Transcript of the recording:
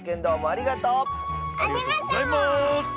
ありがとうございます。